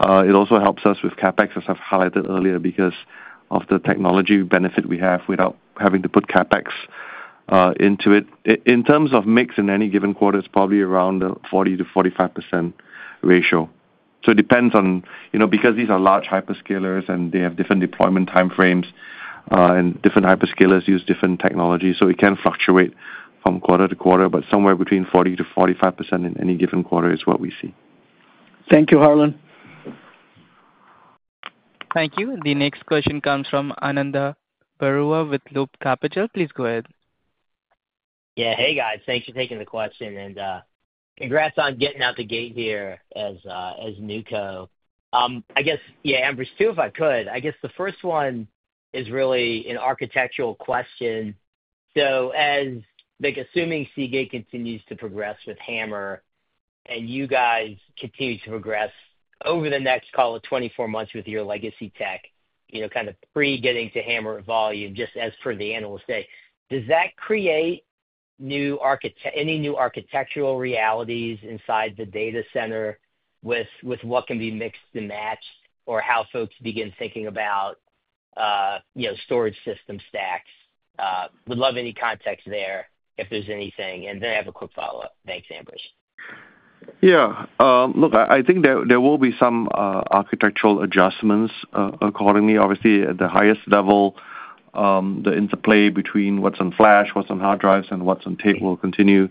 It also helps us with CapEx, as I have highlighted earlier, because of the technology benefit we have without having to put CapEx into it. In terms of mix in any given quarter, it is probably around a 40-45% ratio. It depends on because these are large hyperscalers and they have different deployment time frames, and different hyperscalers use different technologies. It can fluctuate from quarter to quarter, but somewhere between 40%-45% in any given quarter is what we see. Thank you, Harlan. Thank you. The next question comes from Ananda Baruah with Loop Capital. Please go ahead. Yeah, hey, guys. Thanks for taking the question. And congrats on getting out the gate here as NewCo. I guess, yeah, Ambrish, too, if I could. I guess the first one is really an architectural question. As the consuming Seagate continues to progress with HAMR and you guys continue to progress over the next, call it, 24 months with your legacy tech, kind of pre-getting to HAMR volume, just as per the analyst, does that create any new architectural realities inside the data center with what can be mixed and matched or how folks begin thinking about storage system stacks? Would love any context there if there's anything. And then I have a quick follow-up. Thanks, Ambrish. Yeah. Look, I think there will be some architectural adjustments accordingly. Obviously, at the highest level, the interplay between what's on flash, what's on hard drives, and what's on tape will continue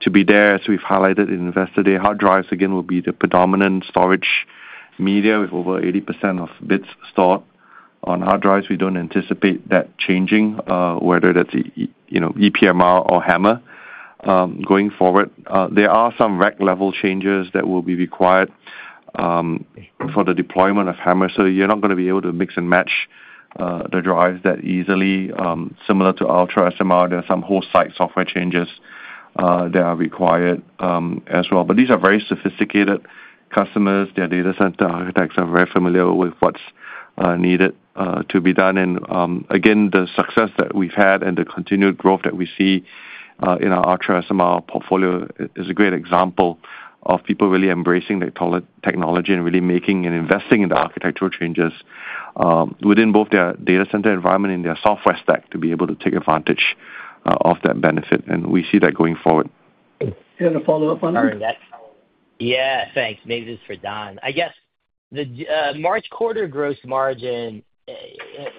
to be there. As we've highlighted in Investor Day, hard drives, again, will be the predominant storage media with over 80% of bits stored on hard drives. We don't anticipate that changing, whether that's ePMR or HAMR going forward. There are some rack-level changes that will be required for the deployment of HAMR. You're not going to be able to mix and match the drives that easily. Similar to UltraSMR, there are some whole site software changes that are required as well. These are very sophisticated customers. Their data center architects are very familiar with what's needed to be done. The success that we've had and the continued growth that we see in our UltraSMR portfolio is a great example of people really embracing their technology and really making and investing in the architectural changes within both their data center environment and their software stack to be able to take advantage of that benefit. We see that going forward. Do you have a follow-up, Ananda? Yeah, thanks. Maybe this is for Don. I guess the March quarter gross margin,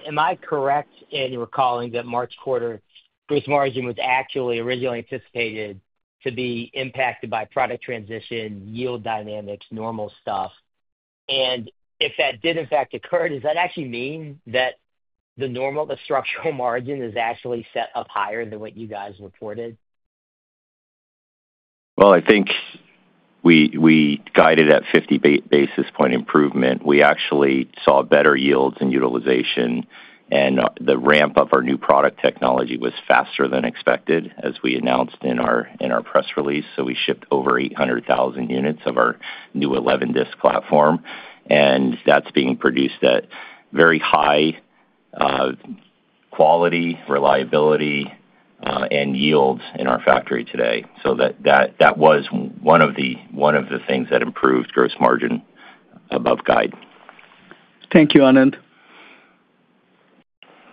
am I correct in recalling that March quarter gross margin was actually originally anticipated to be impacted by product transition, yield dynamics, normal stuff? If that did, in fact, occur, does that actually mean that the normal, the structural margin is actually set up higher than what you guys reported? I think we guided at 50 basis point improvement. We actually saw better yields and utilization. The ramp of our new product technology was faster than expected, as we announced in our press release. We shipped over 800,000 units of our new 11-disk platform. That is being produced at very high quality, reliability, and yields in our factory today. That was one of the things that improved gross margin above guide. Thank you, Ananda.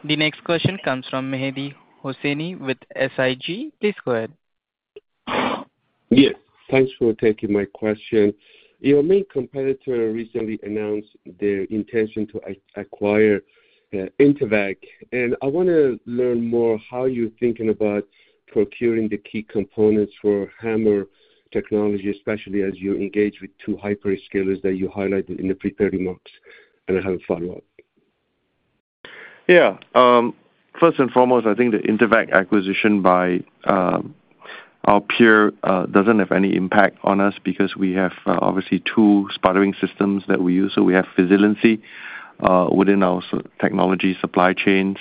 The next question comes from Mehdi Hosseini with SIG. Please go ahead. Yes. Thanks for taking my question. Your main competitor recently announced their intention to acquire Intevac. I want to learn more how you're thinking about procuring the key components for HAMR technology, especially as you engage with two hyperscalers that you highlighted in the prepared remarks. I have a follow-up. Yeah. First and foremost, I think the Intevac acquisition by our peer does not have any impact on us because we have obviously two sputtering systems that we use. We have resiliency within our technology supply chains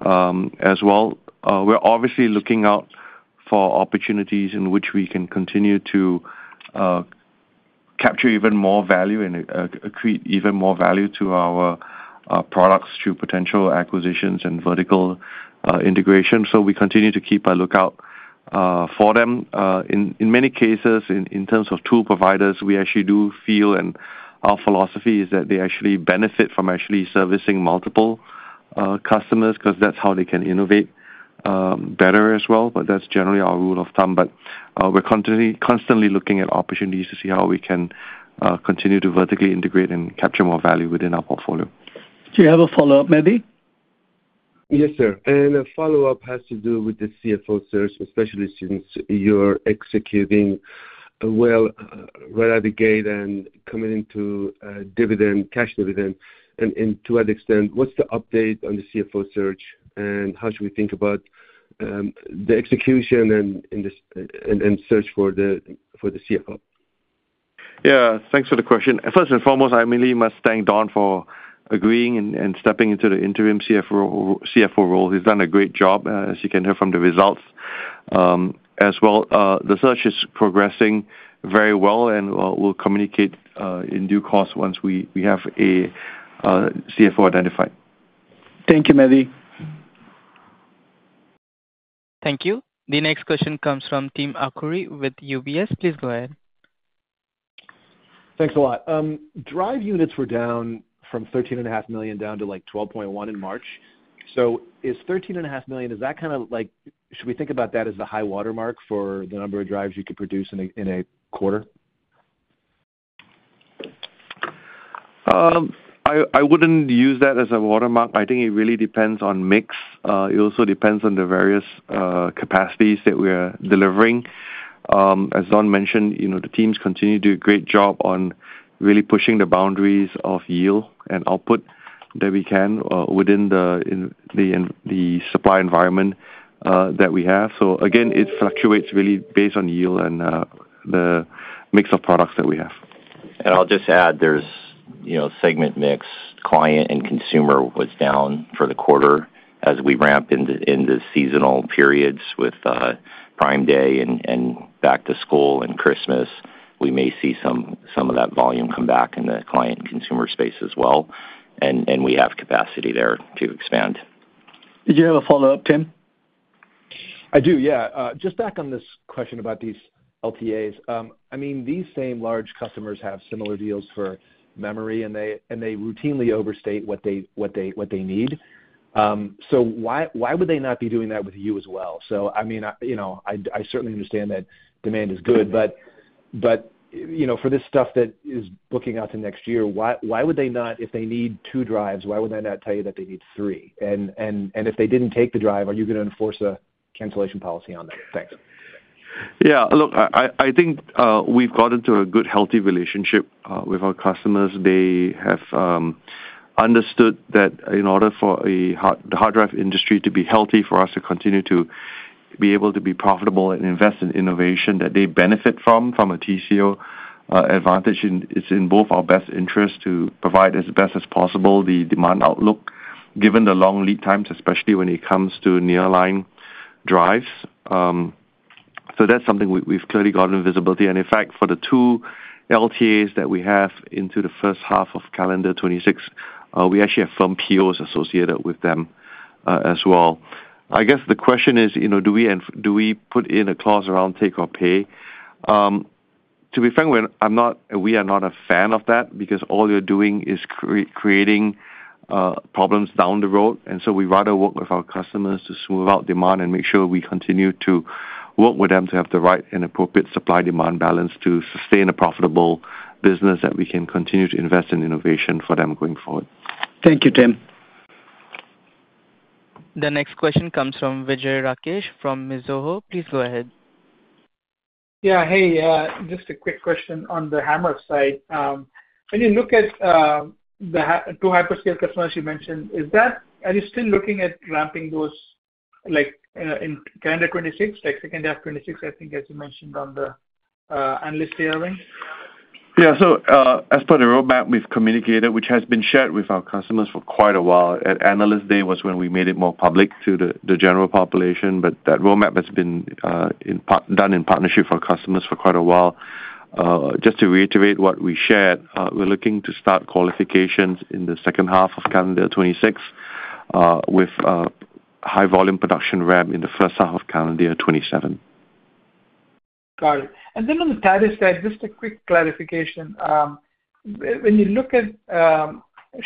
as well. We are obviously looking out for opportunities in which we can continue to capture even more value and accrete even more value to our products through potential acquisitions and vertical integration. We continue to keep a lookout for them. In many cases, in terms of tool providers, we actually do feel and our philosophy is that they actually benefit from actually servicing multiple customers because that is how they can innovate better as well. That is generally our rule of thumb. We are constantly looking at opportunities to see how we can continue to vertically integrate and capture more value within our portfolio. Do you have a follow-up, Mehdi? Yes, sir. A follow-up has to do with the CFO search, especially since you're executing well right out of the gate and committing to cash dividend. To that extent, what's the update on the CFO search? How should we think about the execution and search for the CFO? Yeah. Thanks for the question. First and foremost, I mainly must thank Don for agreeing and stepping into the interim CFO role. He's done a great job, as you can hear from the results as well. The search is progressing very well and will communicate in due course once we have a CFO identified. Thank you, Mehdi. Thank you. The next question comes from Tim Arcuri with UBS. Please go ahead. Thanks a lot. Drive units were down from 13.5 million down to like 12.1 in March. Is 13.5 million, is that kind of like should we think about that as a high watermark for the number of drives you could produce in a quarter? I would not use that as a watermark. I think it really depends on mix. It also depends on the various capacities that we are delivering. As Don mentioned, the teams continue to do a great job on really pushing the boundaries of yield and output that we can within the supply environment that we have. It fluctuates really based on yield and the mix of products that we have. I'll just add, there's segment mix. Client and consumer was down for the quarter as we ramp into seasonal periods with Prime Day and back to school and Christmas. We may see some of that volume come back in the client and consumer space as well. We have capacity there to expand. Did you have a follow-up, Tim? I do, yeah. Just back on this question about these LTAs. I mean, these same large customers have similar deals for memory, and they routinely overstate what they need. Why would they not be doing that with you as well? I mean, I certainly understand that demand is good, but for this stuff that is booking out to next year, why would they not, if they need two drives, why would they not tell you that they need three? And if they did not take the drive, are you going to enforce a cancellation policy on them? Thanks. Yeah. Look, I think we've got into a good, healthy relationship with our customers. They have understood that in order for the hard drive industry to be healthy for us to continue to be able to be profitable and invest in innovation that they benefit from, from a TCO advantage, it's in both our best interest to provide as best as possible the demand outlook, given the long lead times, especially when it comes to nearline drives. That's something we've clearly gotten visibility. In fact, for the two LTAs that we have into the first half of calendar 2026, we actually have firm POs associated with them as well. I guess the question is, do we put in a clause around take or pay? To be frank, we are not a fan of that because all you're doing is creating problems down the road. We rather work with our customers to smooth out demand and make sure we continue to work with them to have the right and appropriate supply-demand balance to sustain a profitable business that we can continue to invest in innovation for them going forward. Thank you, Tim. The next question comes from Vijay Rakesh from Mizuho. Please go ahead. Yeah. Hey, just a quick question on the HAMR side. When you look at the two hyperscale customers you mentioned, are you still looking at ramping those in calendar 2026, like second half 2026, I think, as you mentioned on the Analyst Day event? Yeah. As per the roadmap, we've communicated, which has been shared with our customers for quite a while. At Analyst Day was when we made it more public to the general population. That roadmap has been done in partnership for customers for quite a while. Just to reiterate what we shared, we're looking to start qualifications in the second half of calendar 2026 with high-volume production ramp in the first half of calendar 2027. Got it. Then on the data side, just a quick clarification. When you look at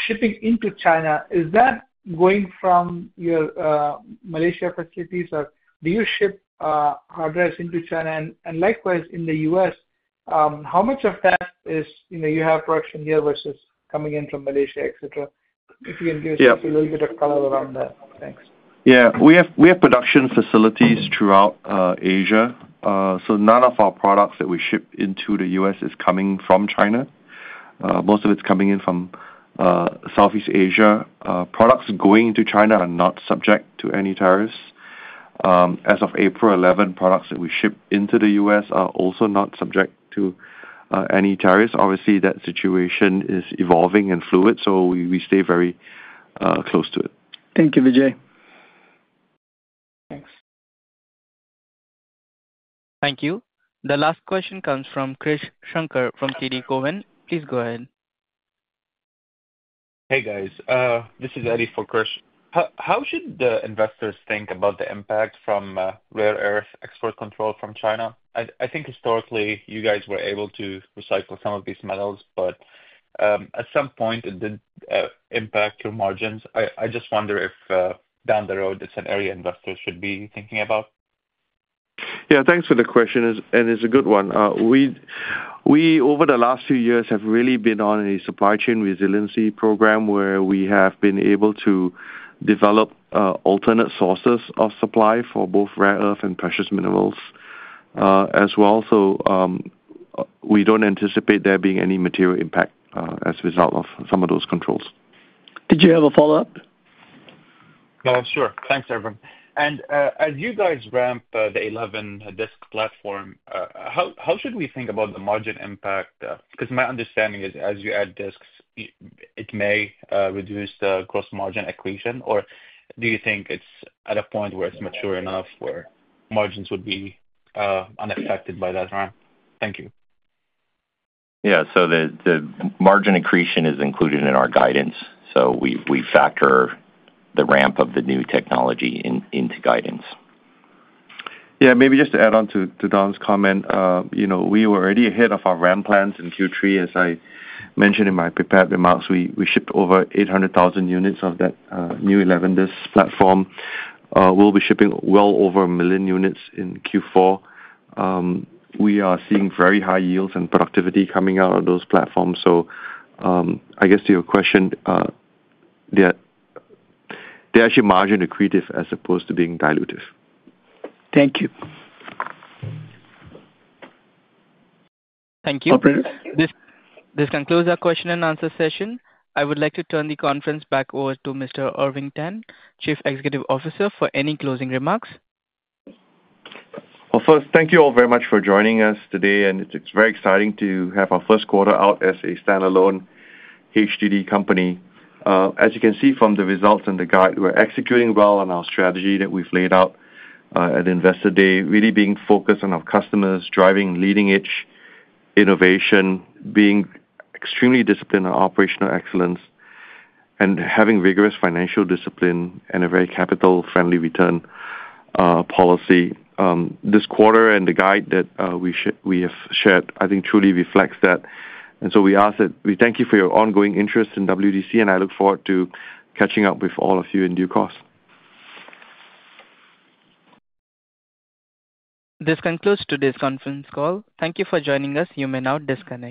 shipping into China, is that going from your Malaysia facilities, or do you ship hard drives into China? Likewise, in the U.S., how much of that is you have production here versus coming in from Malaysia, etc.? If you can give us a little bit of color around that. Thanks. Yeah. We have production facilities throughout Asia. None of our products that we ship into the U.S. is coming from China. Most of it is coming in from Southeast Asia. Products going into China are not subject to any tariffs. As of April 11, products that we ship into the U.S. are also not subject to any tariffs. Obviously, that situation is evolving and fluid, so we stay very close to it. Thank you, Vijay. Thanks. Thank you. The last question comes from Krish Sankar from TD Cowen. Please go ahead. Hey, guys. This is Eddy for Krish. How should the investors think about the impact from rare earth export control from China? I think historically, you guys were able to recycle some of these metals, but at some point, it did impact your margins. I just wonder if down the road, it's an area investors should be thinking about. Yeah. Thanks for the question. It's a good one. We, over the last few years, have really been on a supply chain resiliency program where we have been able to develop alternate sources of supply for both rare earth and precious minerals as well. We don't anticipate there being any material impact as a result of some of those controls. Did you have a follow-up? Sure. Thanks, everyone. As you guys ramp the 11-disk platform, how should we think about the margin impact? Because my understanding is, as you add disks, it may reduce the gross margin equation. Do you think it is at a point where it is mature enough where margins would be unaffected by that ramp? Thank you. Yeah. The margin accretion is included in our guidance. We factor the ramp of the new technology into guidance. Yeah. Maybe just to add on to Don's comment, we were already ahead of our ramp plans in Q3. As I mentioned in my prepared remarks, we shipped over 800,000 units of that new 11-disk platform. We'll be shipping well over a million units in Q4. We are seeing very high yields and productivity coming out of those platforms. I guess to your question, they're actually margin accretive as opposed to being dilutive. Thank you. Thank you. This concludes our question and answer session. I would like to turn the conference back over to Mr. Irving Tan, Chief Executive Officer, for any closing remarks. Thank you all very much for joining us today. It is very exciting to have our first quarter out as a standalone HDD company. As you can see from the results and the guide, we are executing well on our strategy that we have laid out at Investor Day, really being focused on our customers, driving leading-edge innovation, being extremely disciplined on operational excellence, and having rigorous financial discipline and a very capital-friendly return policy. This quarter and the guide that we have shared, I think, truly reflects that. We thank you for your ongoing interest in WDC, and I look forward to catching up with all of you in due course. This concludes today's conference call. Thank you for joining us. You may now disconnect.